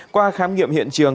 qua khám nghiệm hiện trường